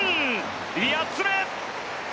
８つ目！